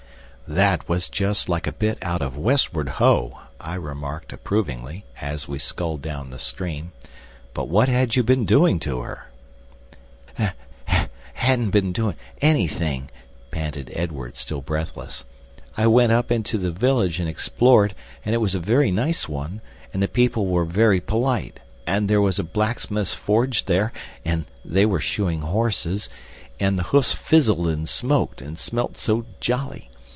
"That was just like a bit out of Westward Ho!" I remarked approvingly, as we sculled down the stream. "But what had you been doing to her?" "Hadn't been doing anything," panted Edward, still breathless. "I went up into the village and explored, and it was a very nice one, and the people were very polite. And there was a blacksmith's forge there, and they were shoeing horses, and the hoofs fizzled and smoked, and smelt so jolly!